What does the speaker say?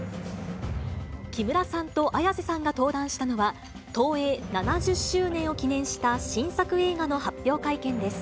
木村さんと綾瀬さんが登壇したのは、東映７０周年を記念した新作映画の発表会見です。